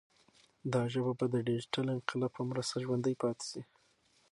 دا ژبه به د ډیجیټل انقلاب په مرسته ژوندۍ پاتې شي.